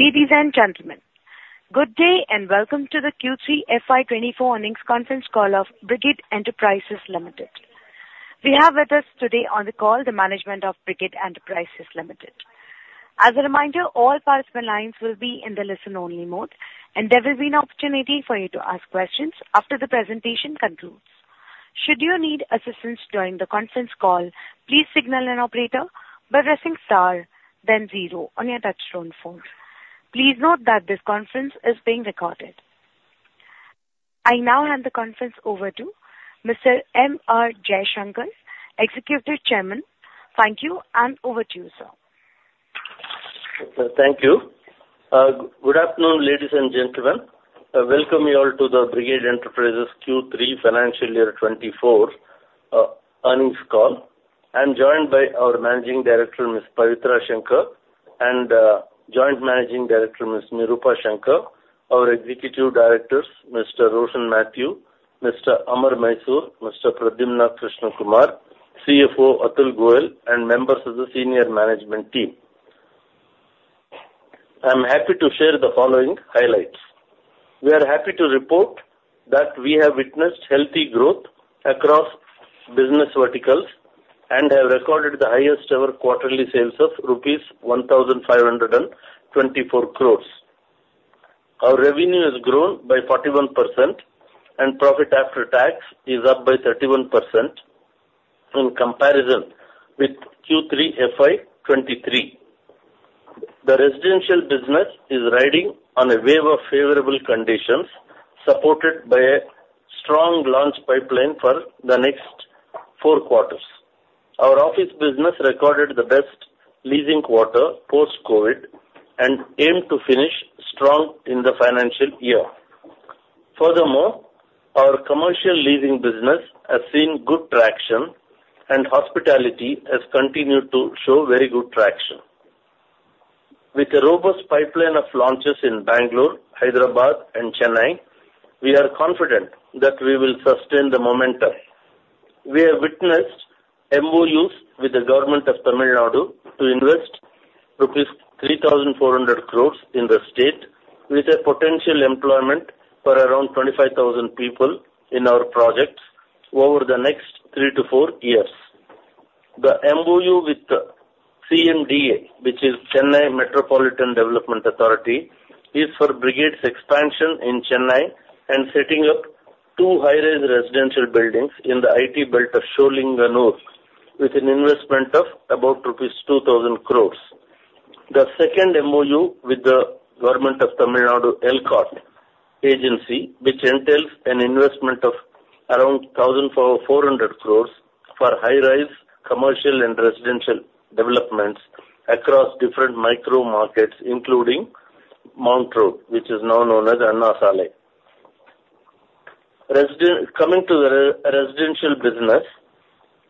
Ladies and gentlemen, good day, and welcome to the Q3 FY 2024 earnings conference call of Brigade Enterprises Limited. We have with us today on the call the management of Brigade Enterprises Limited. As a reminder, all participant lines will be in the listen-only mode, and there will be an opportunity for you to ask questions after the presentation concludes. Should you need assistance during the conference call, please signal an operator by pressing star then zero on your touchtone phone. Please note that this conference is being recorded. I now hand the conference over to Mr. M.R. Jaishankar, Executive Chairman. Thank you, and over to you, sir. Thank you. Good afternoon, ladies and gentlemen. Welcome you all to the Brigade Enterprises Q3 FY 2024 earnings call. I'm joined by our Managing Director, Ms. Pavitra Shankar, and Joint Managing Director, Ms. Nirupa Shankar, our Executive Directors, Mr. Roshin Mathew, Mr. Amar Mysore, Mr. Pradyumna Krishna Kumar, CFO Atul Goyal, and members of the senior management team. I'm happy to share the following highlights: We are happy to report that we have witnessed healthy growth across business verticals and have recorded the highest ever quarterly sales of rupees 1,524 crores. Our revenue has grown by 41%, and profit after tax is up by 31% in comparison with Q3 FY 2023. The residential business is riding on a wave of favorable conditions, supported by a strong launch pipeline for the next four quarters. Our office business recorded the best leasing quarter post-COVID and aim to finish strong in the financial year. Furthermore, our commercial leasing business has seen good traction, and hospitality has continued to show very good traction. With a robust pipeline of launches in Bangalore, Hyderabad and Chennai, we are confident that we will sustain the momentum. We have witnessed MOUs with the government of Tamil Nadu to invest rupees 3,400 crore in the state, with a potential employment for around 25,000 people in our projects over the next three-four years. The MOU with the CMDA, which is Chennai Metropolitan Development Authority, is for Brigade's expansion in Chennai and setting up two high-rise residential buildings in the IT belt of Sholinganallur, with an investment of about rupees 2,000 crore. The second MOU with the government of Tamil Nadu CMDA agency, which entails an investment of around 1,400 crores for high-rise, commercial, and residential developments across different micro markets, including Mount Road, which is now known as Anna Salai. Coming to the residential business,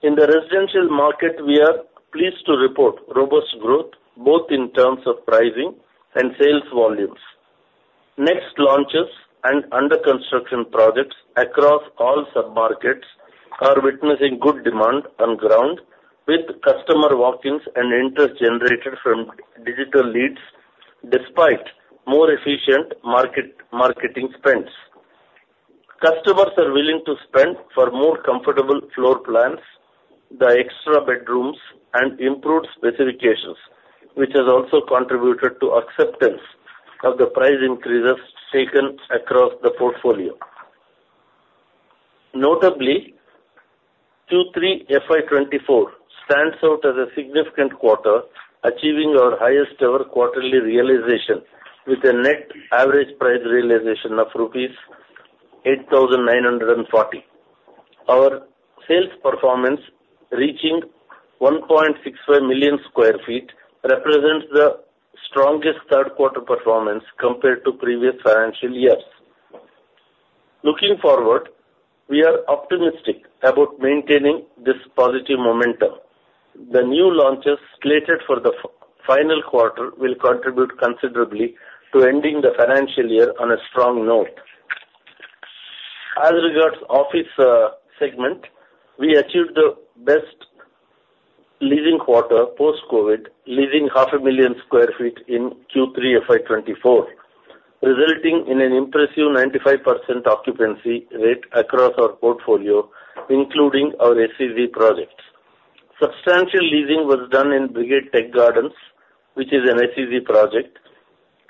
in the residential market, we are pleased to report robust growth both in terms of pricing and sales volumes. New launches and under-construction projects across all sub-markets are witnessing good demand on ground, with customer walk-ins and interest generated from digital leads, despite more efficient marketing spends. Customers are willing to spend for more comfortable floor plans, the extra bedrooms and improved specifications, which has also contributed to acceptance of the price increases taken across the portfolio. Notably, Q3 FY 2024 stands out as a significant quarter, achieving our highest ever quarterly realization, with a net average price realization of rupees 8,940. Our sales performance, reaching 1.65 million sq ft, represents the strongest third quarter performance compared to previous financial years. Looking forward, we are optimistic about maintaining this positive momentum. The new launches slated for the final quarter will contribute considerably to ending the financial year on a strong note. As regards office segment, we achieved the best leasing quarter post-COVID, leasing 500,000 sq ft in Q3 FY 2024, resulting in an impressive 95% occupancy rate across our portfolio, including our SEZ projects. Substantial leasing was done in Brigade Tech Gardens, which is an SEZ project,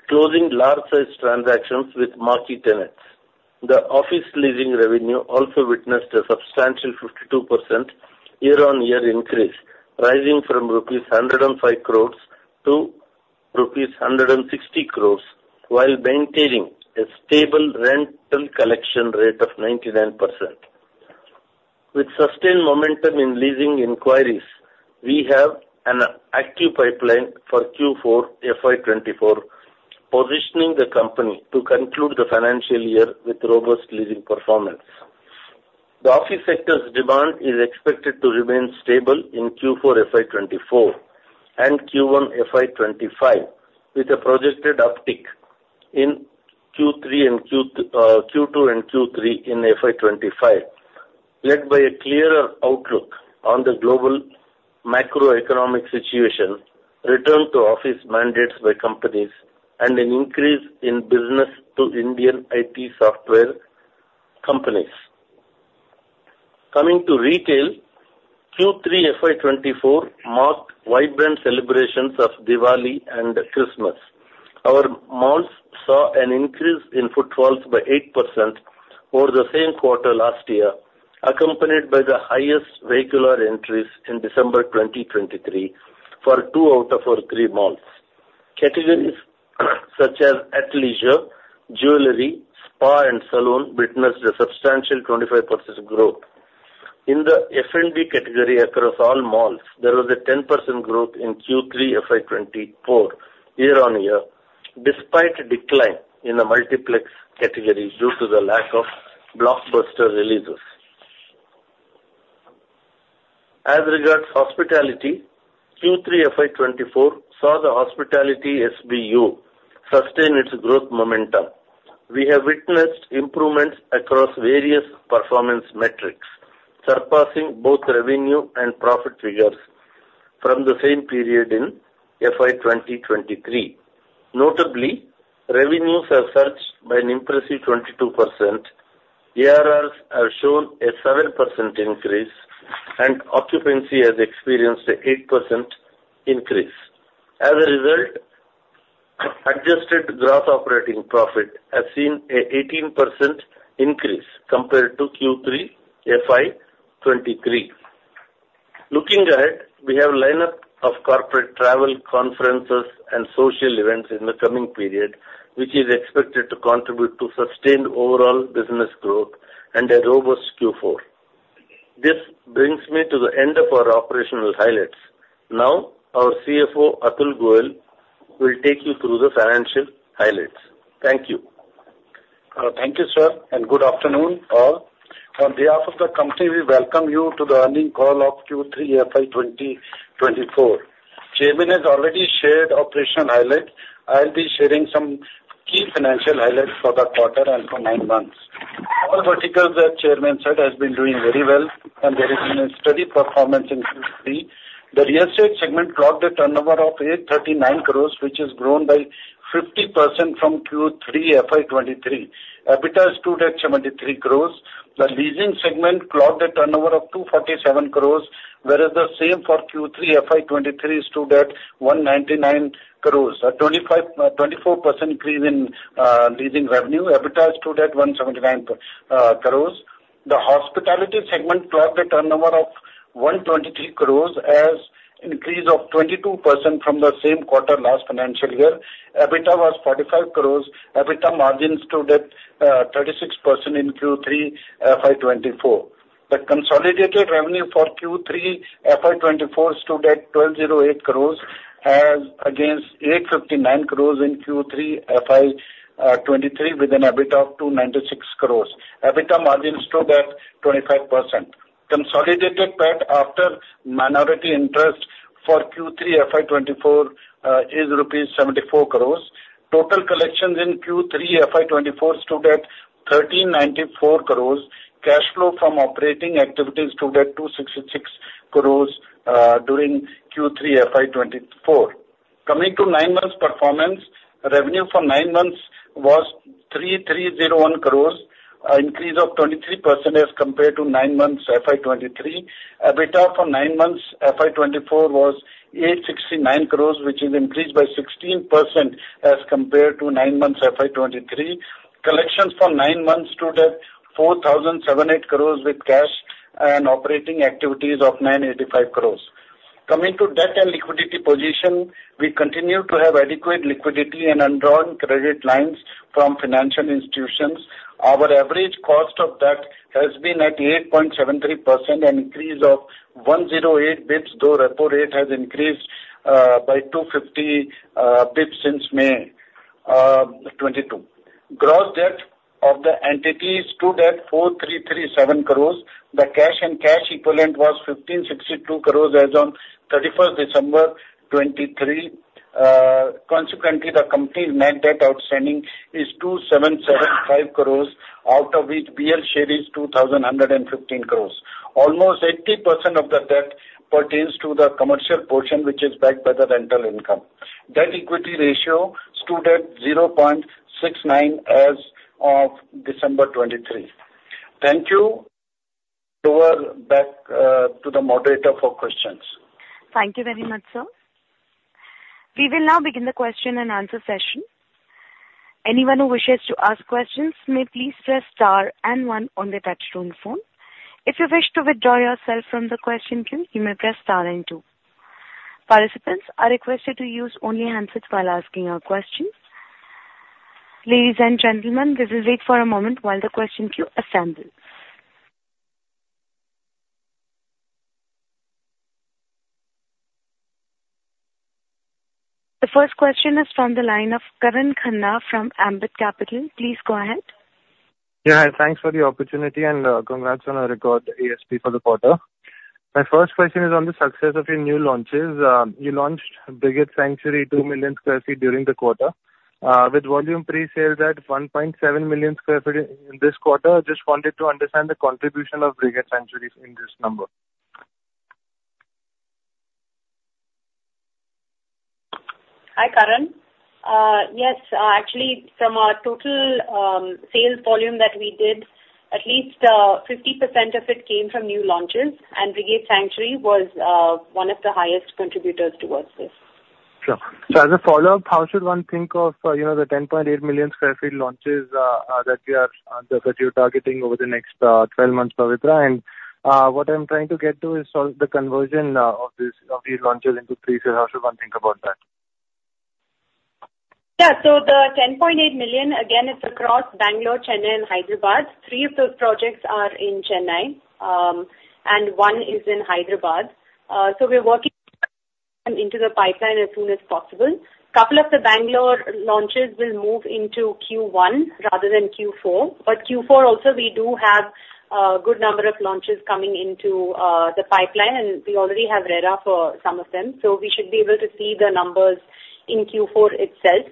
closing large-sized transactions with marquee tenants. The office leasing revenue also witnessed a substantial 52% year-on-year increase, rising from 105 crore-160 crore rupees, while maintaining a stable rental collection rate of 99%. With sustained momentum in leasing inquiries, we have an active pipeline for Q4 FY 2024, positioning the company to conclude the financial year with robust leasing performance. The office sector's demand is expected to remain stable in Q4 FY 2024 and Q1 FY 2025, with a projected uptick three in FY 2025, led by a clearer outlook on the global macroeconomic situation, return to office mandates by companies, and an increase in business to Indian IT software companies. Coming to retail, Q3 FY 2024 marked vibrant celebrations of Diwali and Christmas. Our malls saw an increase in footfalls by 8% over the same quarter last year, accompanied by the highest vehicular entries in December 2023 for two out of our three malls. Categories such as athleisure, jewelry, spa and salon witnessed a substantial 25% growth. In the F&B category across all malls, there was a 10% growth in Q3 FY 2024, year-on-year, despite a decline in the multiplex category due to the lack of blockbuster releases. As regards hospitality, Q3 FY 2024 saw the hospitality SBU sustain its growth momentum. We have witnessed improvements across various performance metrics, surpassing both revenue and profit figures from the same period in FY 2023. Notably, revenues have surged by an impressive 22%, ARRs have shown a 7% increase, and occupancy has experienced an 8% increase. As a result, adjusted gross operating profit has seen an 18% increase compared to Q3 FY 2023. Looking ahead, we have a lineup of corporate travel conferences and social events in the coming period, which is expected to contribute to sustained overall business growth and a robust Q4. This brings me to the end of our operational highlights. Now, our CFO, Atul Goyal, will take you through the financial highlights. Thank you. Thank you, sir, and good afternoon, all. On behalf of the company, we welcome you to the earnings call of Q3 FY 2024. Chairman has already shared operational highlights. I'll be sharing some key financial highlights for the quarter and for nine months. All verticals that chairman said has been doing very well, and there has been a steady performance in Q3. The real estate segment clocked a turnover of 839 crores, which has grown by 50% from Q3 FY 2023. EBITDA stood at 73 crores. The leasing segment clocked a turnover of 247 crores, whereas the same for Q3 FY 2023 stood at 199 crores, at 25%, 24% increase in leasing revenue. EBITDA stood at 179 crores. The hospitality segment clocked a turnover of 123 crores as an increase of 22% from the same quarter last financial year. EBITDA was 45 crores. EBITDA margins stood at 36% in Q3 FY 2024. The consolidated revenue for Q3 FY 2024 stood at 1,208 crores, as against 859 crores in Q3 FY 2023, with an EBITDA of 296 crores. EBITDA margins stood at 25%. Consolidated PAT after minority interest for Q3 FY 2024 is rupees 74 crores. Total collections in Q3 FY 2024 stood at 1,394 crores. Cash flow from operating activities stood at 266 crores during Q3 FY 2024. Coming to nine months' performance, revenue for nine months was 3,301 crores, an increase of 23% as compared to nine months FY 2023. EBITDA for nine months FY 2024 was 869 crore, which has increased by 16% as compared to nine months FY 2023. Collections for nine months stood at 4,780 crore, with cash and operating activities of 985 crore. Coming to debt and liquidity position, we continue to have adequate liquidity and undrawn credit lines from financial institutions. Our average cost of debt has been at 8.73%, an increase of 108 basis points, though repo rate has increased by 250 basis points since May 2022. Gross debt of the entity stood at 4,337 crore. The cash and cash equivalent was 1,562 crore as on December 31, 2023. Consequently, the company's net debt outstanding is 2,775 crore, out of which BL share is 2,115 crore. Almost 80% of the debt pertains to the commercial portion, which is backed by the rental income. Debt equity ratio stood at 0.69 as of December 2023. Thank you. Over back to the moderator for questions. Thank you very much, sir. We will now begin the question and answer session. Anyone who wishes to ask questions may please press star and one on their touch-tone phone. If you wish to withdraw yourself from the question queue, you may press star and two. Participants are requested to use only handsets while asking your questions. Ladies and gentlemen, please wait for a moment while the question queue assembles. The first question is from the line of Karan Khanna from Ambit Capital. Please go ahead. Yeah, hi. Thanks for the opportunity, and congrats on a record ASP for the quarter. My first question is on the success of your new launches. You launched Brigade Sanctuary, 2 million sq ft during the quarter. With volume presale at 1.7 million sq ft in this quarter, just wanted to understand the contribution of Brigade Sanctuary in this number. Hi, Karan. Yes, actually, from our total sales volume that we did, at least 50% of it came from new launches, and Brigade Sanctuary was one of the highest contributors towards this. Sure. So as a follow-up, how should one think of, you know, the 10.8 million sq ft launches that you are that you're targeting over the next 12 months, Pavitra? And what I'm trying to get to is sort of the conversion of these of these launches into presale. How should one think about that? Yeah. So the 10.8 million, again, it's across Bangalore, Chennai and Hyderabad. Three of those projects are in Chennai, and one is in Hyderabad. So we're working into the pipeline as soon as possible. Couple of the Bangalore launches will move into Q1 rather than Q4. But Q4 also, we do have a good number of launches coming into the pipeline, and we already have RERA for some of them. So we should be able to see the numbers in Q4 itself.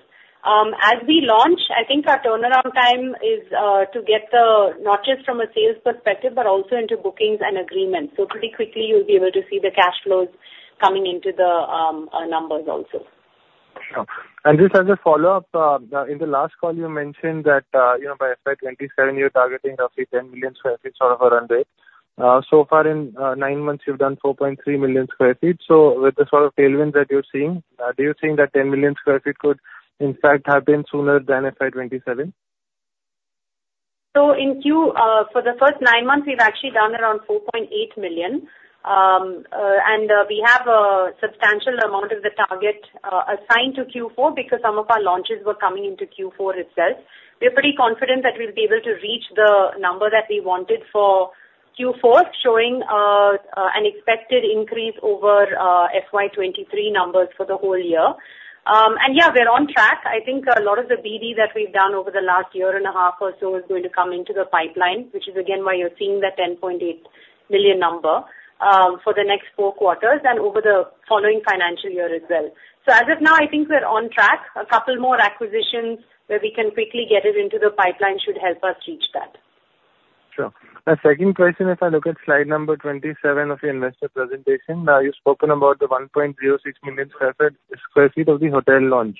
As we launch, I think our turnaround time is to get the... not just from a sales perspective, but also into bookings and agreements. So pretty quickly you'll be able to see the cash flows coming into the numbers also. Sure. And just as a follow-up, in the last call, you mentioned that, you know, by FY 2027, you're targeting roughly 10 million sq ft sort of a run rate. So far in, nine months, you've done 4.3 million sq ft. So with the sort of tailwind that you're seeing, do you think that 10 million sq ft could in fact happen sooner than FY 2027? So in Q3 for the first nine months, we've actually done around 4.8 million. We have a substantial amount of the target assigned to Q4 because some of our launches were coming into Q4 itself. We're pretty confident that we'll be able to reach the number that we wanted for Q4, showing an expected increase over FY 2023 numbers for the whole year. Yeah, we're on track. I think a lot of the BD that we've done over the last year and a half or so is going to come into the pipeline, which is again why you're seeing that 10.8 million number for the next four quarters and over the following financial year as well. So as of now, I think we're on track. A couple more acquisitions where we can quickly get it into the pipeline should help us reach that. Sure. The second question, if I look at slide number 27 of your investor presentation, you've spoken about the 1.06 million sq ft of the hotel launch.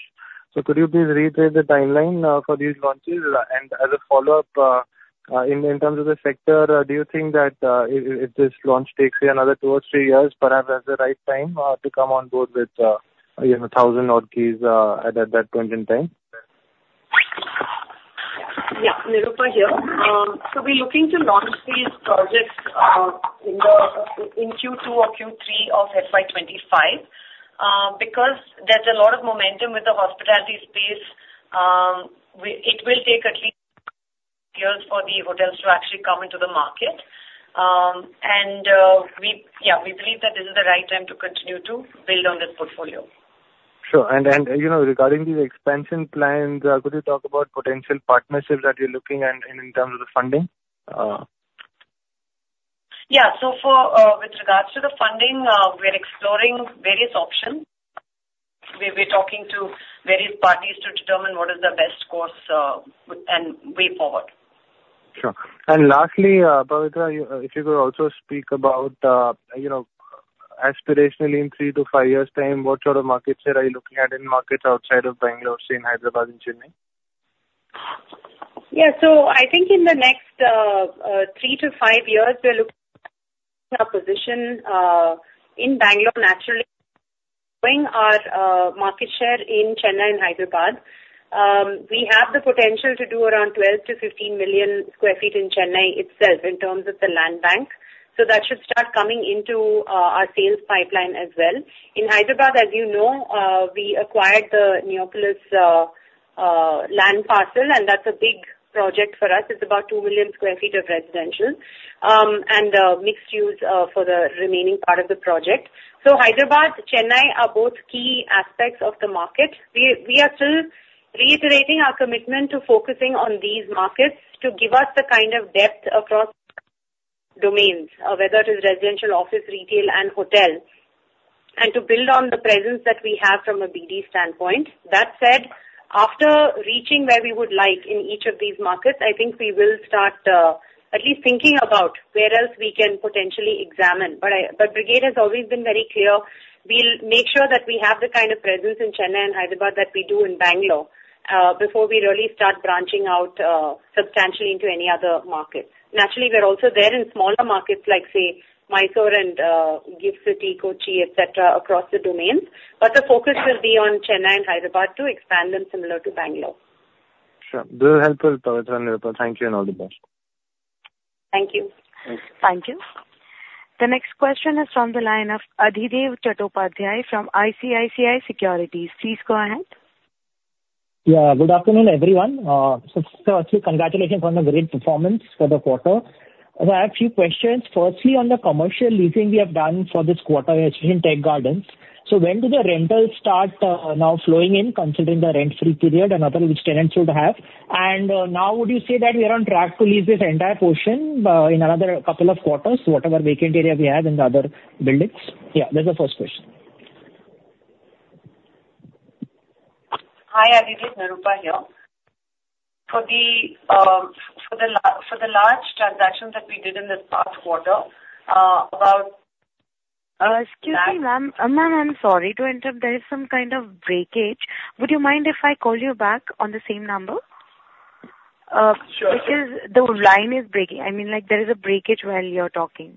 Could you please repeat the timeline for these launches? And as a follow-up, in terms of the sector, do you think that if this launch takes you another two or three years, perhaps that's the right time to come on board with, you know, 1,000-odd keys at that point in time? Yeah, Nirupa here. So we're looking to launch these projects in Q2 or Q3 of FY 2025. Because there's a lot of momentum with the hospitality space, it will take at least years for the hotels to actually come into the market. And we believe that this is the right time to continue to build on this portfolio. Sure. And, you know, regarding the expansion plans, could you talk about potential partnerships that you're looking and in terms of the funding? Yeah. So for, with regards to the funding, we're exploring various options. We're talking to various parties to determine what is the best course and way forward. Sure. And lastly, Pavitra, if you could also speak about, you know, aspirationally, in three to five years' time, what sort of market share are you looking at in markets outside of Bangalore, say, in Hyderabad and Chennai? Yeah. So I think in the next three3-five years, we are looking at our position in Bangalore, naturally, growing our market share in Chennai and Hyderabad. We have the potential to do around 12 million sqft-15 million sq ft in Chennai itself in terms of the land bank. So that should start coming into our sales pipeline as well. In Hyderabad, as you know, we acquired the Neopolis land parcel, and that's a big project for us. It's about 2 million sq ft of residential and mixed use for the remaining part of the project. So Hyderabad, Chennai, are both key aspects of the market. We are still reiterating our commitment to focusing on these markets to give us the kind of depth across domains, whether it is residential, office, retail, and hotel, and to build on the presence that we have from a BD standpoint. That said, after reaching where we would like in each of these markets, I think we will start at least thinking about where else we can potentially examine. But Brigade has always been very clear, we'll make sure that we have the kind of presence in Chennai and Hyderabad that we do in Bangalore before we really start branching out substantially into any other markets. Naturally, we're also there in smaller markets, like, say, Mysore and GIFT City, Kochi, et cetera, across the domains. But the focus will be on Chennai and Hyderabad to expand them similar to Bangalore. Sure. This is helpful, Pavitra and Nirupa. Thank you, and all the best. Thank you. Thanks. Thank you. The next question is from the line of Adhidev Chattopadhyay from ICICI Securities. Please go ahead. Yeah, good afternoon, everyone. First, congratulations on the great performance for the quarter. I have a few questions. Firstly, on the commercial leasing we have done for this quarter in Tech Gardens. So when do the rentals start now flowing in, considering the rent-free period and other which tenants would have? And now would you say that we are on track to lease this entire portion in another couple of quarters, whatever vacant area we have in the other buildings? Yeah, that's the first question. Hi, Aditya, Nirupa here. For the large transactions that we did in this past quarter, about, Excuse me, ma'am. Ma'am, I'm sorry to interrupt. There is some kind of breakage. Would you mind if I call you back on the same number? Uh, sure. Because the line is breaking. I mean, like, there is a breakage while you're talking,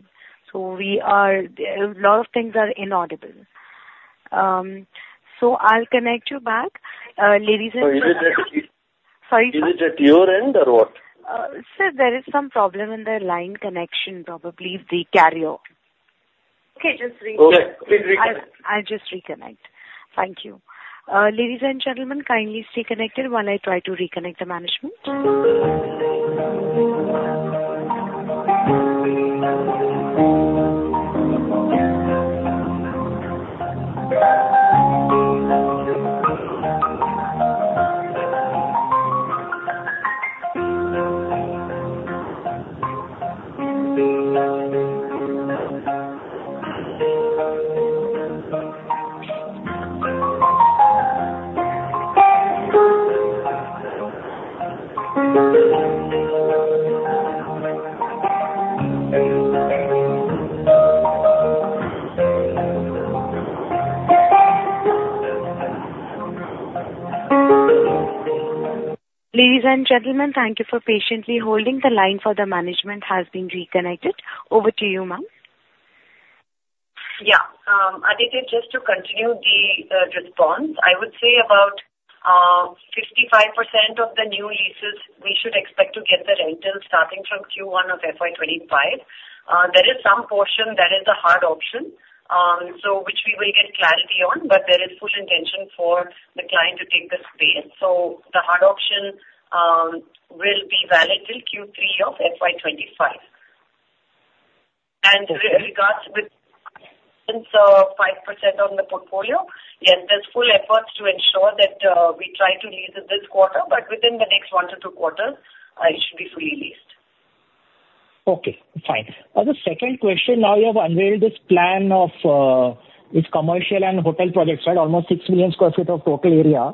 so we are... A lot of things are inaudible. So I'll connect you back. Ladies and gentlemen- Is it at the- Sorry, sir. Is it at your end or what? Sir, there is some problem in the line connection, probably the carrier. Okay, just reconnect. Okay, please reconnect. I'll just reconnect. Thank you. Ladies and gentlemen, kindly stay connected while I try to reconnect the management. Ladies and gentlemen, thank you for patiently holding. The line for the management has been reconnected. Over to you, ma'am. Yeah, Aditya, just to continue the response, I would say about 55% of the new leases, we should expect to get the rentals starting from Q1 of FY 2025. There is some portion that is a hard option, so which we will get clarity on, but there is full intention for the client to take the space. So the hard option will be valid till Q3 of FY 2025. Okay. With regards to, since 5% on the portfolio, yes, there's full efforts to ensure that we try to lease it this quarter, but within the next one-two quarters, it should be fully leased. Okay, fine. The second question, now you have unveiled this plan of, it's commercial and hotel projects, right? Almost 6 million sq ft of total area.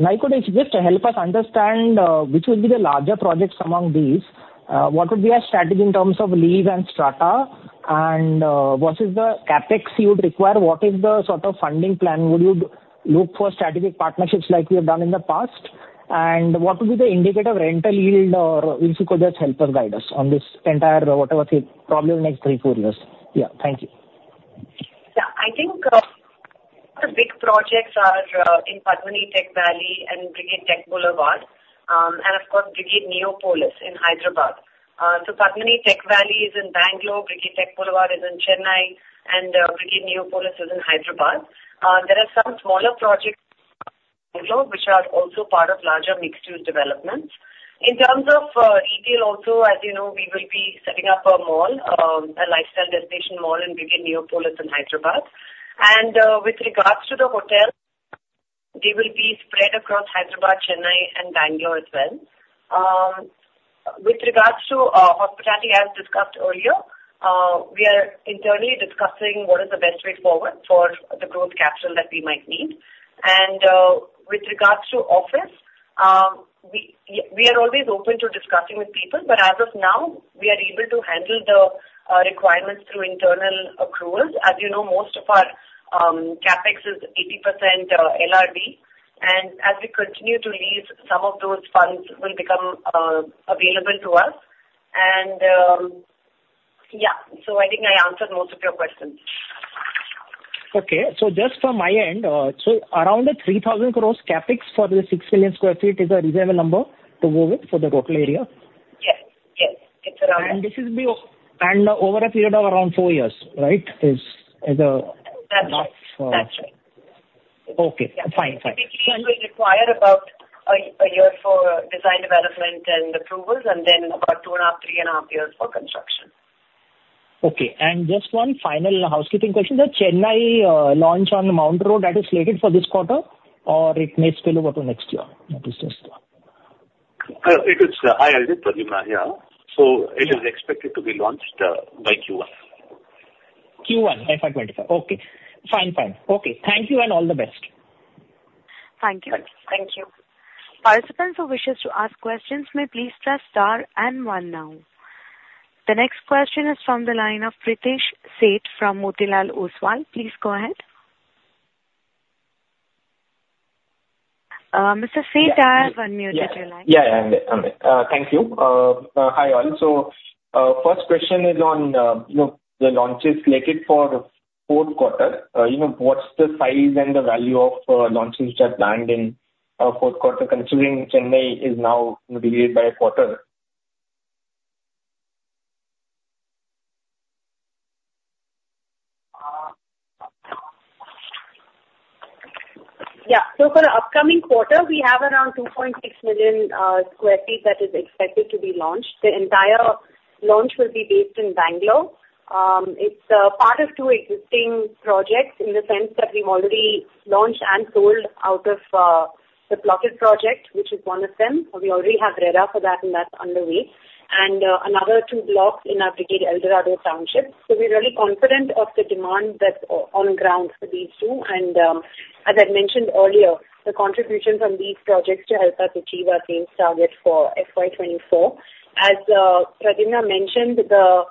Now could you just help us understand, which will be the larger projects among these? What would be your strategy in terms of lease and strata? And, what is the CapEx you would require? What is the sort of funding plan? Would you look for strategic partnerships like you have done in the past? And what would be the indicative rental yield, or if you could just help us guide us on this entire, whatever, probably the next three, four years? Yeah. Thank you. Yeah. I think, the big projects are, in Padmini Tech Valleyand Brigade Tech Boulevard, and of course, Brigade Neopolis in Hyderabad. So Padmini Tech Valley is in Bangalore, Brigade Tech Boulevard is in Chennai, and, Brigade Neopolis is in Hyderabad. There are some smaller projects which are also part of larger mixed-use developments. In terms of, retail also, as you know, we will be setting up a mall, a lifestyle destination mall in Brigade Neopolis in Hyderabad. And, with regards to the hotel, they will be spread across Hyderabad, Chennai and Bangalore as well. With regards to, hospitality, as discussed earlier, we are internally discussing what is the best way forward for the growth capital that we might need. With regards to office, we, yeah, we are always open to discussing with people, but as of now, we are able to handle the requirements through internal accruals. As you know, most of our CapEx is 80% LRD, and as we continue to lease, some of those funds will become available to us. Yeah, so I think I answered most of your questions. Okay. So just from my end, so around the 3,000 crore CapEx for the 6 million sq ft, is a reasonable number to go with for the total area? Yes. Yes, it's around- And over a period of around four years, right? Is.. That's right. That's right. Okay, fine. Fine. It will require about a year for design, development and approvals, and then about 2.5-3.5 years for construction. Okay. And just one final housekeeping question. The Chennai launch on Mount Road, that is slated for this quarter, or it may spill over to next year? That is just... Hi, Aditya, Pradyumna here. So it is expected to be launched by Q1. Q1, FY 2025. Okay, fine. Fine. Okay, thank you, and all the best. Thank you. Thank you. Participants who wishes to ask questions may please press star and one now. The next question is from the line of Pritesh Sheth from Motilal Oswal. Please go ahead. Mr. Sheth, I have unmuted your line. Yeah, yeah, I'm here. Thank you. Hi, all. So, first question is on, you know, the launches slated for fourth quarter. You know, what's the size and the value of launches that are planned in fourth quarter, considering Chennai is now delayed by a quarter? ... Yeah. So for the upcoming quarter, we have around 2.6 million sq ft that is expected to be launched. The entire launch will be based in Bangalore. It's a part of two existing projects, in the sense that we've already launched and sold out of the plotted project, which is one of them. We already have RERA for that, and that's underway. And another two blocks in our Brigade Eldorado township. So we're really confident of the demand that's on ground for these two, and as I mentioned earlier, the contribution from these projects to help us achieve our sales target for FY 2024. As Pradyumna mentioned, the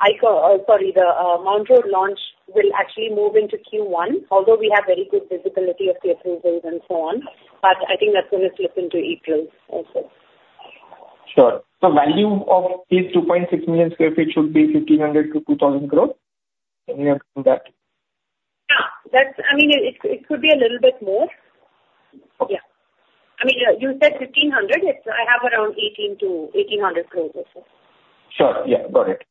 Mount Road launch will actually move into Q1, although we have very good visibility of the approvals and so on, but I think that's gonna slip into Q2 also. Sure. The value of these 2.6 million sq ft should be 1,500 crore-2,000 crore, near to that? Yeah, that's I mean, it could be a little bit more. Yeah. I mean, you said 1,500. It's. I have around 1,800 crores or so. Sure. Yeah, got it.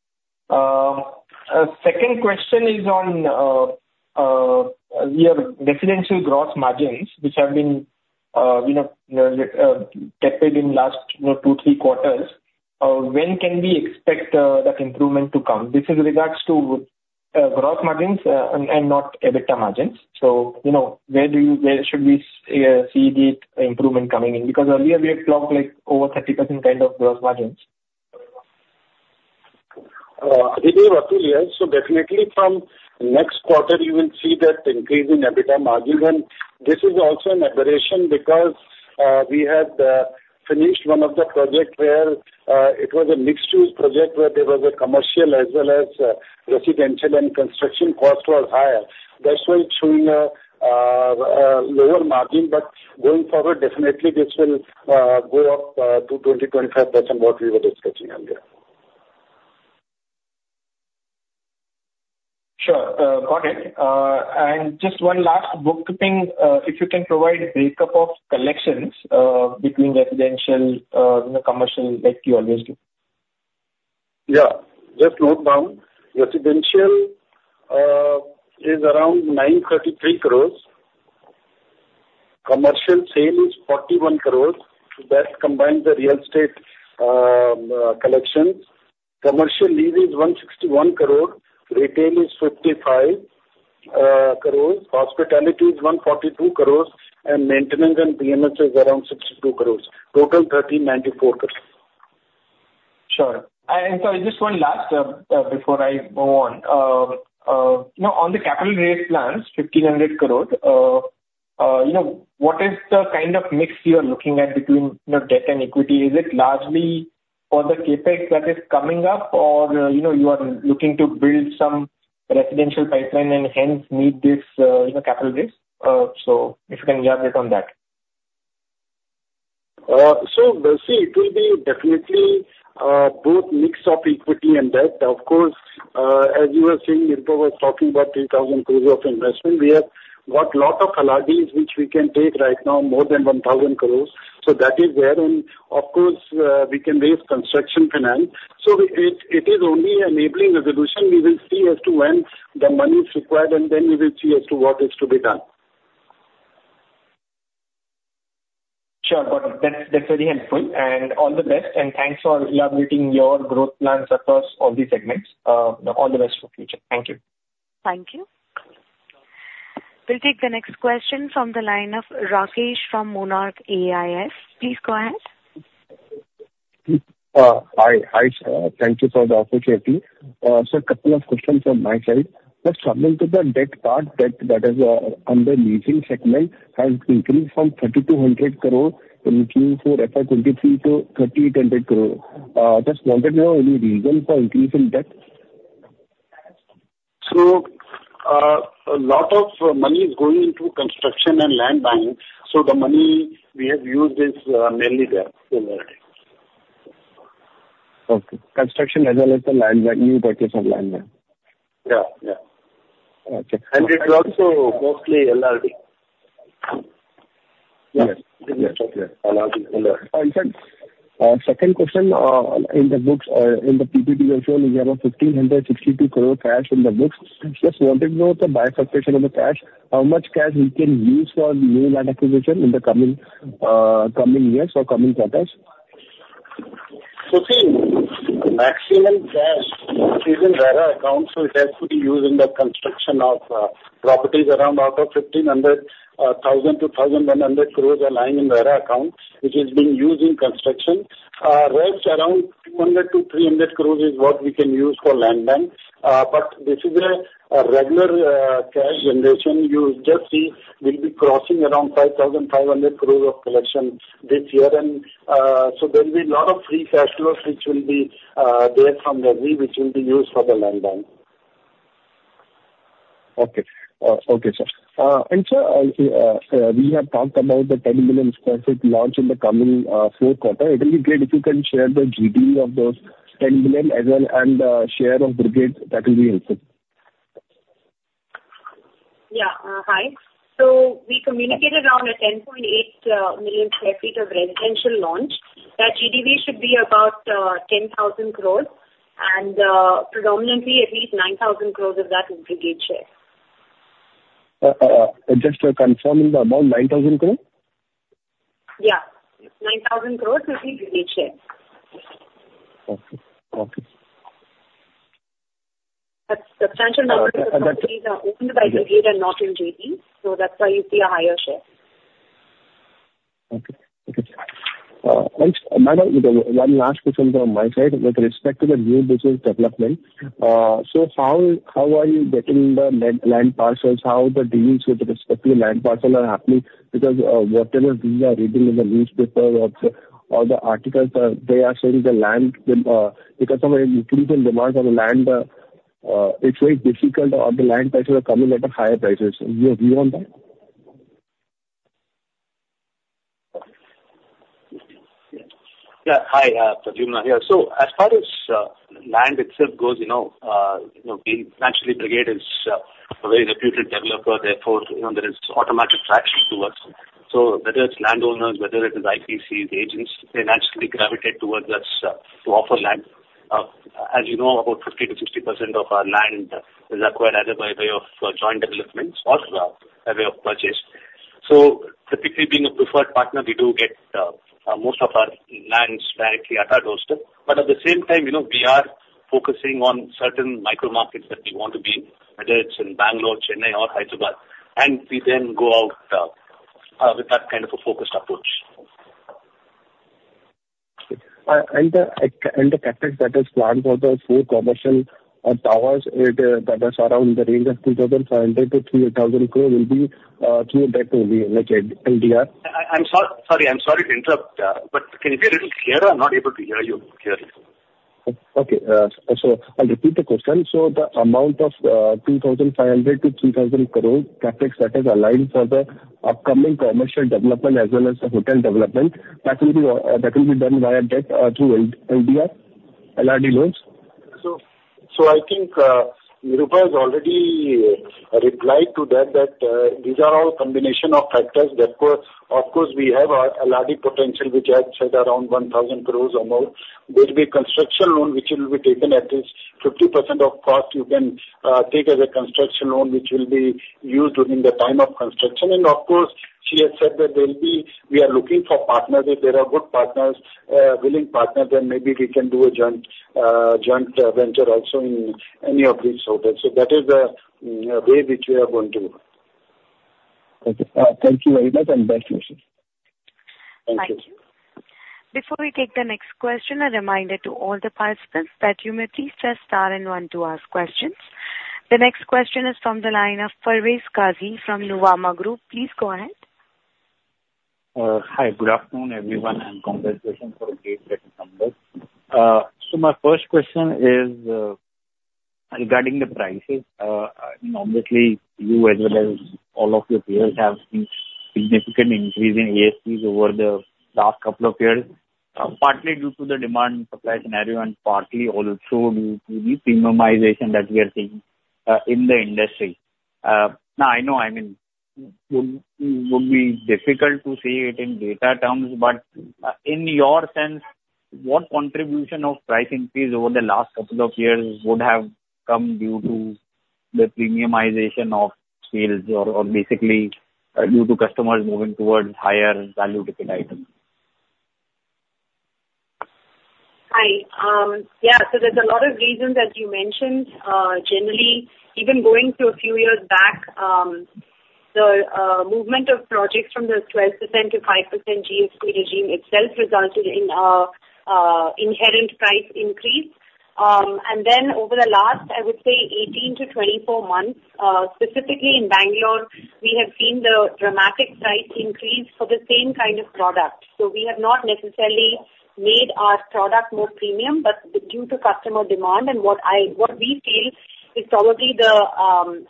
A second question is on your residential gross margins, which have been, you know, tapered in last two-three quarters. When can we expect that improvement to come? This is regards to gross margins and not EBITDA margins. So, you know, where do you, where should we see the improvement coming in? Because earlier we had talked, like, over 30% kind of gross margins. This is Atul here. So definitely from next quarter, you will see that increase in EBITDA margin, and this is also an aberration because we had finished one of the project where it was a mixed-use project, where there was a commercial as well as residential, and construction costs were higher. That's why showing a lower margin, but going forward, definitely this will go up to 20%-25%, what we were discussing earlier. Sure, got it. And just one last bookkeeping. If you can provide break-up of collections between residential, you know, commercial, like you always do. Yeah. Just note down. Residential is around 933 crore. Commercial sale is 41 crore. That combines the real estate collections. Commercial lease is 161 crore. Retail is 55 crore. Hospitality is 142 crore, and maintenance and PMS is around 62 crore. Total, 1,394 crore. Sure. So just one last before I go on. You know, on the capital raise plans, 1,500 crore, you know, what is the kind of mix you are looking at between, you know, debt and equity? Is it largely for the CapEx that is coming up, or, you know, you are looking to build some residential pipeline and hence need this, you know, capital raise? So if you can elaborate on that. So see, it will be definitely both mix of equity and debt. Of course, as you were saying, Nirupa was talking about 3,000 crore of investment. We have got lot of LRDs, which we can take right now, more than 1,000 crore. So that is there, and of course, we can raise construction finance. So it, it, it is only enabling resolution. We will see as to when the money is required, and then we will see as to what is to be done. Sure, got it. That's, that's very helpful, and all the best, and thanks for elaborating your growth plans across all these segments. All the best for future. Thank you. Thank you. We'll take the next question from the line of Rakesh from Monarch AIF. Please go ahead. Hi. Hi, sir. Thank you for the opportunity. So a couple of questions on my side. Just coming to the debt part, debt that is, on the leasing segment, has increased from 3,200 crore in Q4 FY 2023 to 3,800 crore. Just wanted to know any reason for increase in debt? A lot of money is going into construction and land buying, so the money we have used is mainly there similarly. Okay. Construction as well as the land, new purchase of land bank. Yeah, yeah. Okay. It's also mostly LRD. Yes. Yes, okay. LRD. In fact, second question, in the books, in the PPT you have shown you have 1,562 crore cash in the books. Just wanted to know the bifurcation of the cash, how much cash we can use for new land acquisition in the coming, coming years or coming quarters? So see, maximum cash is in RERA account, so it has to be used in the construction of properties. Around out of 1,500 to 1,100 crore INR are lying in RERA account, which is being used in construction. Rest around 200 crore-300 crore is what we can use for land bank. But this is a regular cash generation. You just see, we'll be crossing around 5,500 crore of collection this year. And so there will be a lot of free cash flow, which will be there from the RE, which will be used for the land bank. Okay. Okay, sir. And sir, we have talked about the 10 million sq ft launch in the coming fourth quarter. It will be great if you can share the GDV of those 10 million as well, and share of Brigade, that will be helpful. Yeah, hi. So we communicated around 10.8 million sq ft of residential launch. That GDV should be about 10,000 crore... and predominantly at least 9,000 crore of that is Brigade share. Just confirming the amount, 9,000 crore? Yeah. 9,000 crore will be Brigade share. Okay, okay. That's substantial number are owned by Brigade and not in JP, so that's why you see a higher share. Okay. Okay. Thanks. Madam, one last question from my side. With respect to the new business development, so how are you getting the land parcels? How the deals with the respective land parcel are happening? Because, whatever we are reading in the newspaper or the articles are, they are saying the land, because of increased demand on the land, it's very difficult or the land prices are coming at a higher prices. Your view on that? Yeah, hi, Pradyumna here. So as far as, land itself goes, you know, you know, naturally, Brigade is, a very reputed developer, therefore, you know, there is automatic traction towards them. So whether it's landowners, whether it is IPCs, agents, they naturally gravitate towards us, to offer land. As you know, about 50%-60% of our land is acquired either by way of joint developments or by way of purchase. So typically, being a preferred partner, we do get, most of our lands directly at our doorstep. But at the same time, you know, we are focusing on certain micro markets that we want to be in, whether it's in Bangalore, Chennai or Hyderabad, and we then go out, with that kind of a focused approach. The CapEx that is planned for the four commercial towers is around the range of 2,500 crore-3,000 crore and will be through debt only, like LRD? I'm sorry to interrupt, but can you be a little clearer? I'm not able to hear you clearly. Okay, so I'll repeat the question: So the amount of 2,500-3,000 crore CapEx that is aligned for the upcoming commercial development as well as the hotel development, that will be done via debt through LRD loans? So I think Nirupa has already replied to that, these are all combination of factors. That of course, we have our LRD potential, which I had said around 1,000 crore or more. There will be construction loan, which will be taken at least 50% of cost you can take as a construction loan, which will be used during the time of construction. And of course, she has said that there will be. We are looking for partners. If there are good partners, willing partners, then maybe we can do a joint venture also in any of these hotels. So that is the way which we are going to go. Okay, thank you very much, and best wishes. Thank you. Thank you. Before we take the next question, a reminder to all the participants that you may please press star and one to ask questions. The next question is from the line of Parvez Qazi from Nuvama Group. Please go ahead. Hi, good afternoon, everyone, and congratulations for a great set of numbers. So my first question is regarding the prices. Obviously, you as well as all of your peers have seen significant increase in ASPs over the last couple of years, partly due to the demand supply scenario and partly also due to the premiumization that we are seeing in the industry. Now, I know, I mean, it would be difficult to say it in data terms, but in your sense, what contribution of price increase over the last couple of years would have come due to the premiumization of sales or basically due to customers moving towards higher value ticket items? Hi. Yeah, so there's a lot of reasons that you mentioned. Generally, even going to a few years back, the movement of projects from the 12%-5% GST regime itself resulted in inherent price increase. And then over the last, I would say 18-24 months, specifically in Bangalore, we have seen the dramatic price increase for the same kind of product. So we have not necessarily made our product more premium, but due to customer demand and what we feel is probably the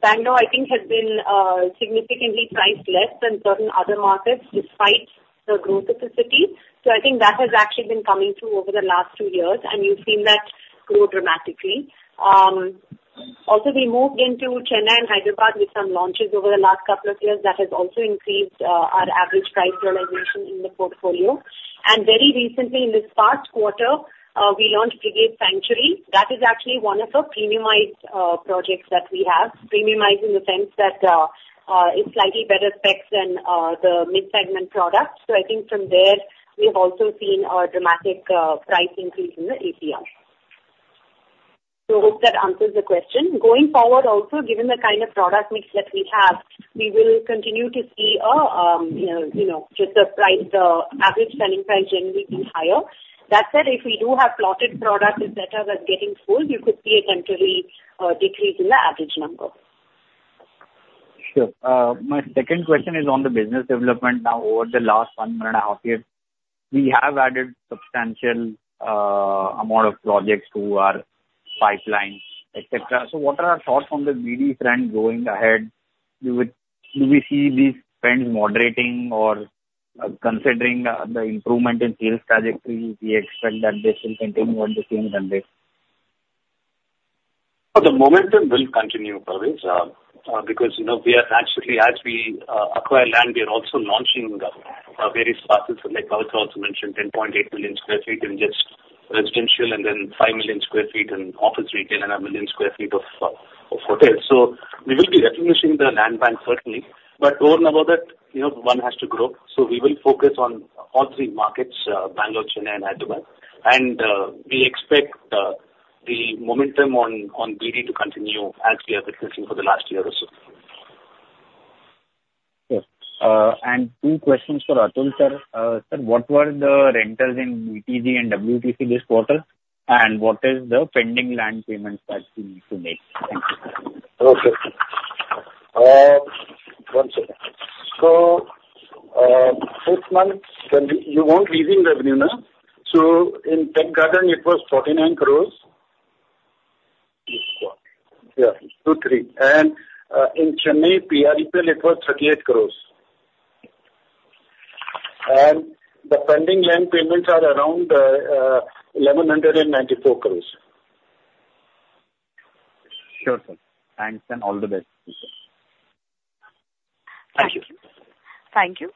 Bangalore, I think, has been significantly priced less than certain other markets despite the growth of the city. So I think that has actually been coming through over the last two years, and you've seen that grow dramatically. Also, we moved into Chennai and Hyderabad with some launches over the last couple of years. That has also increased our average price realization in the portfolio. And very recently, in this past quarter, we launched Brigade Sanctuary. That is actually one of the premiumized projects that we have. Premiumized in the sense that it's slightly better specs than the mid-segment products. So I think from there we have also seen a dramatic price increase in the APR. So hope that answers the question. Going forward also, given the kind of product mix that we have, we will continue to see a you know, you know, just the price, the average selling price generally being higher. That said, if we do have plotted products that are getting full, you could see a temporary decrease in the average number. Sure. My second question is on the business development now. Over the last one and a half years, we have added substantial amount of projects to our pipeline, et cetera. So what are our thoughts on the BD trend going ahead? Do we see these trends moderating or, considering the improvement in sales trajectory, we expect that they will continue at the same rate?... So the momentum will continue, Parvez, because, you know, we are naturally as we acquire land, we are also launching various assets like Malika also mentioned, 10.8 million sq ft in just residential and then 5 million sq ft in office retail, and 1 million sq ft of hotels. So we will be replenishing the land bank, certainly. But over and above that, you know, one has to grow, so we will focus on all three markets, Bangalore, Chennai and Hyderabad. And we expect the momentum on GD to continue as we have been seeing for the last year or so. Yes. Two questions for Atul, sir. Sir, what were the rentals in BTG and WTC this quarter? What is the pending land payments that we need to make? Thank you. Okay. One second. So, six months, can we-- you want leasing revenue, no? So in Tech Garden it was 49 crore. Yeah, two, three, and, in Chennai, PRDP, it was 38 crore. And the pending land payments are around, 1,194 crore. Sure, sir. Thanks and all the best. Thank you. Thank you.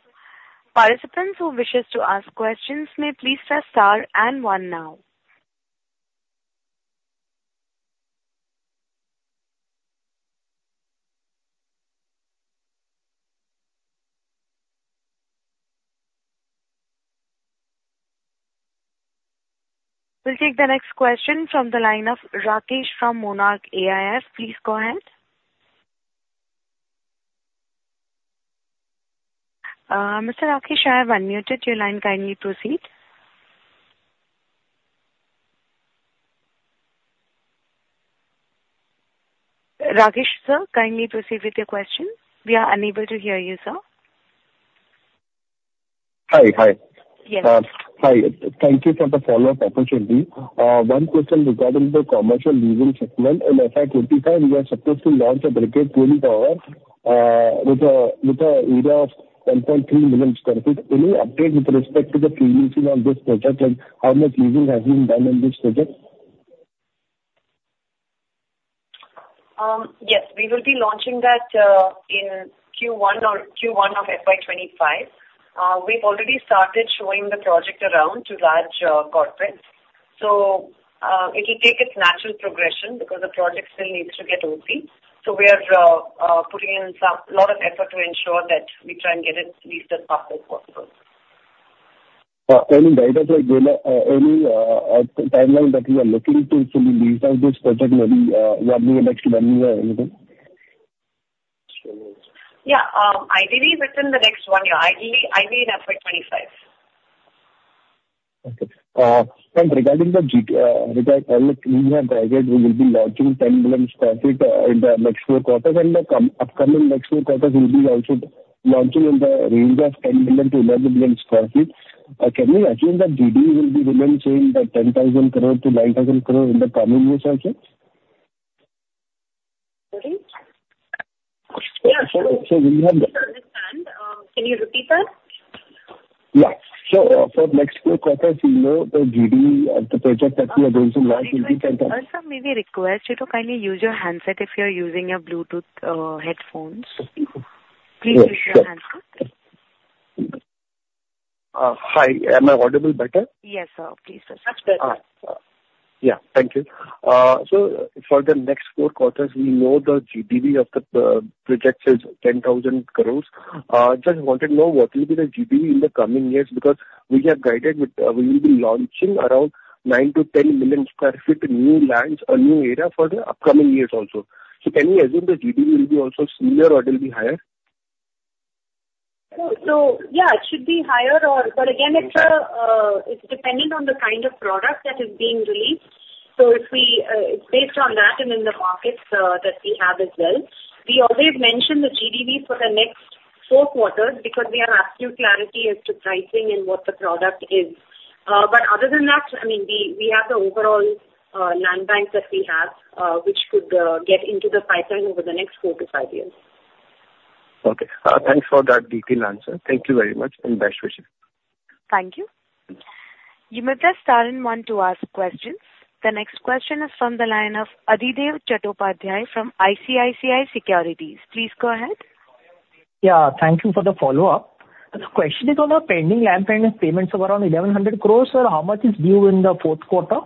Participants who wishes to ask questions may please press Star and One now. We'll take the next question from the line of Rakesh from Monarch AIF. Please go ahead. Mr. Rakesh, I have unmuted your line. Kindly proceed. Rakesh, sir, kindly proceed with your question. We are unable to hear you, sir. Hi. Hi. Yes. Hi, thank you for the follow-up opportunity. One question regarding the commercial leasing segment. In FY 2025, you are supposed to launch a Brigade Twin Towers, with an area of 10.3 million sq ft. Any update with respect to the pre-leasing on this project, and how much leasing has been done on this project? Yes, we will be launching that in Q1 or Q1 of FY 2025. We've already started showing the project around to large corporates. So, it will take its natural progression because the project still needs to get OC. So we are putting in some lot of effort to ensure that we try and get it leased as fast as possible. Any guidance, like, any timeline that you are looking to fully lease out this project, maybe, what we would like to learn or anything? Yeah, ideally within the next one year, ideally, ideally in FY 2025. Okay. And regarding the GIFT, regarding India project, we will be launching 10 million sq ft in the next four quarters, and the upcoming next four quarters will be also launching in the range of 10 million-11 million sq ft. Can we assume that GDV will be remaining same, the 10,000 crore-9,000 crore in the coming years also? Sorry? Yeah, so, we have- I didn't understand. Can you repeat, sir? Yeah. So for next four quarters, you know, the GD of the project that we are going to launch will be ten- Sir, may we request you to kindly use your handset if you're using a Bluetooth, headphones. Yes, sure. Please use your handset. Hi, am I audible better? Yes, sir. Please do. Much better, sir. Yeah, thank you. So for the next four quarters, we know the GDV of the projects is 10,000 crore. Just wanted to know what will be the GDV in the coming years, because we have guided with we will be launching around 9 million sq ft-10 million sq ft, new lands or new area for the upcoming years also. So can we assume the GDV will be also similar or it will be higher? So yeah, it should be higher or... But again, it's depending on the kind of product that is being released. So if we, it's based on that and in the markets that we have as well. We always mention the GDV for the next four quarters because we have absolute clarity as to pricing and what the product is. But other than that, I mean, we have the overall land banks that we have, which could get into the pipeline over the next four to five years. Okay. Thanks for that detailed answer. Thank you very much, and best wishes. Thank you. You may press star and one to ask questions. The next question is from the line of Adhidev Chattopadhyay from ICICI Securities. Please go ahead. Yeah, thank you for the follow-up. The question is on the pending land finance payments of around 1,100 crore. Sir, how much is due in the fourth quarter?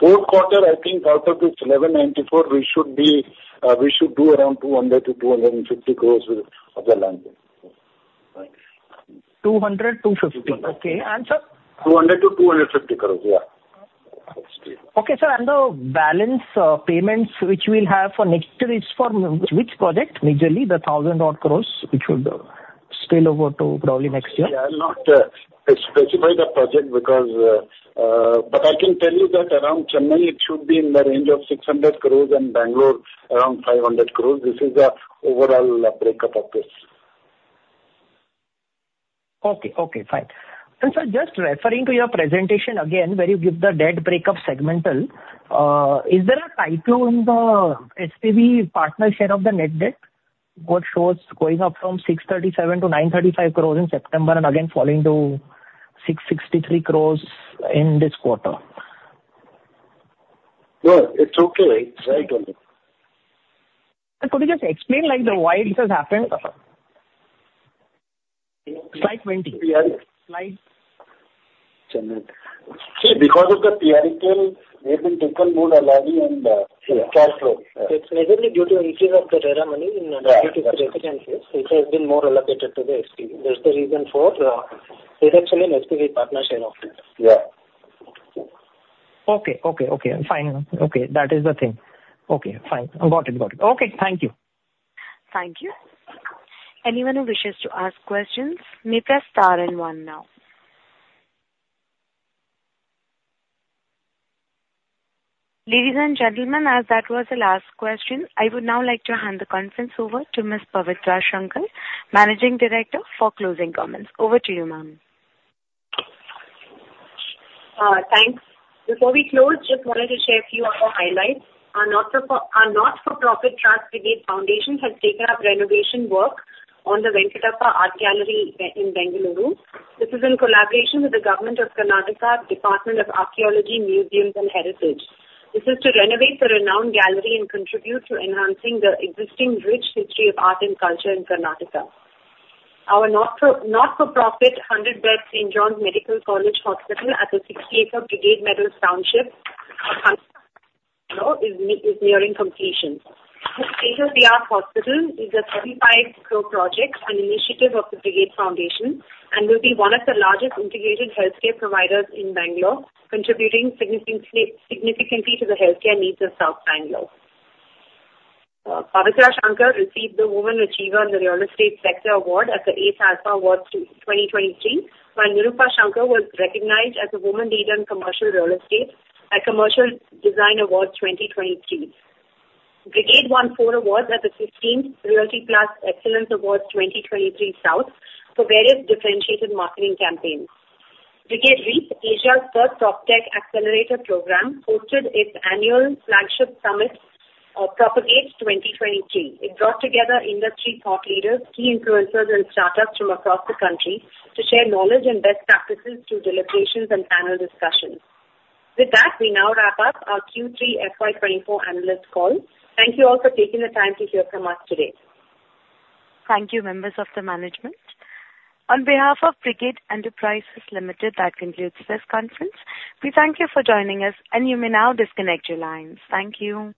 Fourth quarter, I think out of this 1,194, we should be, we should do around 200 crore-250 crore of the land. 200, 250. Okay, and sir- INR 200-INR 250 crore, yeah. Okay, sir, and the balance payments which we'll have for next is for which project, majorly the 1,000-odd crore, which would spill over to probably next year? Yeah, I'll not specify the project because... But I can tell you that around Chennai, it should be in the range of 600 crore and Bangalore around 500 crore. This is the overall breakup of this. Okay. Okay, fine. And sir, just referring to your presentation again, where you give the debt breakup segmental, is there a typo in the SPV partner share of the net debt? What shows going up from 637 crores to 935 crores in September, and again falling to 663 crores in this quarter? No, it's okay. It's right only. Could you just explain, like, the why this has happened? Slide 20. Slide. Because of the PRI claim, they've been taken more liquidly and cash flow. It's mainly due to increase of the rental money in- Right. It has been more allocated to the SPV. That's the reason for, it's actually an SPV partnership of it. Yeah. Okay. Okay, okay, fine. Okay, that is the thing. Okay, fine. I got it. Got it. Okay. Thank you. Thank you. Anyone who wishes to ask questions may press star and one now. Ladies and gentlemen, as that was the last question, I would now like to hand the conference over to Ms. Pavitra Shankar, Managing Director, for closing comments. Over to you, ma'am. Thanks. Before we close, just wanted to share a few of our highlights. Our not-for-profit trust, Brigade Foundation, has taken up renovation work on the Venkatappa Art Gallery in Bengaluru. This is in collaboration with the Government of Karnataka, Department of Archaeology, Museums and Heritage. This is to renovate the renowned gallery and contribute to enhancing the existing rich history of art and culture in Karnataka. Our not-for-profit 100-bed St. John's Medical College Hospital at the 60-acre Brigade Meadows Township is nearing completion. This state-of-the-art hospital is a 35 crore project and initiative of the Brigade Foundation, and will be one of the largest integrated healthcare providers in Bangalore, contributing significantly to the healthcare needs of South Bangalore. Pavitra Shankar received the Woman Achiever in the Real Estate Sector Award at the ET Alpha Awards 2023, while Nirupa Shankar was recognized as a woman leader in commercial real estate at Commercial Design Awards 2023. Brigade won four awards at the 15th Realty Plus Excellence Awards 2023 South for various differentiated marketing campaigns. Brigade REAP, Asia's first proptech accelerator program, hosted its annual flagship summit, Propagate 2023. It brought together industry thought leaders, key influencers and startups from across the country to share knowledge and best practices through deliberations and panel discussions. With that, we now wrap up our Q3 FY 2024 analyst call. Thank you all for taking the time to hear from us today. Thank you, members of the management. On behalf of Brigade Enterprises Limited, that concludes this conference. We thank you for joining us, and you may now disconnect your lines. Thank you.